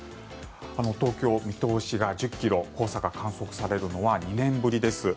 東京、見通しが１０ｋｍ黄砂が観測されるのは２年ぶりです。